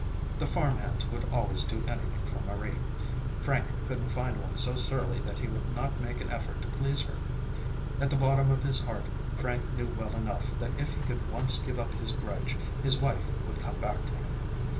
The farm hands would always do anything for Marie; Frank couldn't find one so surly that he would not make an effort to please her. At the bottom of his heart Frank knew well enough that if he could once give up his grudge, his wife would come back to him.